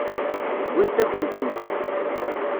Wwint-akent-tent-id.